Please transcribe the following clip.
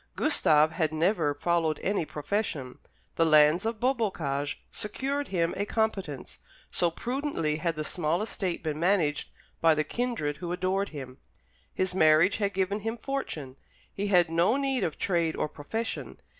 Gustave had never followed any profession; the lands of Beaubocage secured him a competence, so prudently had the small estate been managed by the kindred who adored him. His marriage had given him fortune. He had no need of trade or profession.